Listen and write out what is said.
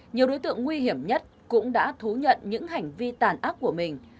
nhiều đối tượng nguy hiểm nhất cũng đã thú nhận những hành vi tàn ác của mình